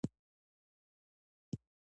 ای ایل ایچ د ادب او کلتور اړیکې څیړي.